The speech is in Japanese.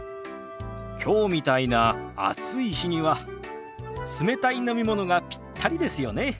きょうみたいな暑い日には冷たい飲み物がピッタリですよね。